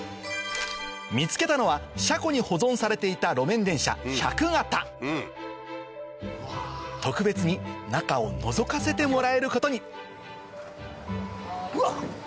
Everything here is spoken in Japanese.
見つけたのは車庫に保存されていた路面電車特別に中をのぞかせてもらえることにうわ！